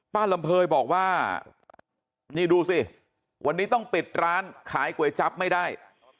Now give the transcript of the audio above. ลำเภยบอกว่านี่ดูสิวันนี้ต้องปิดร้านขายก๋วยจั๊บไม่ได้